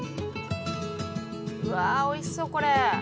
うわおいしそうこれ。